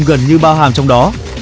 gần như bao hàm trong đó